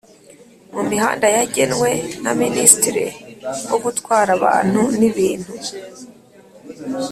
mumihanda yagenwe na ministre wo gutwara abantu n’ibintu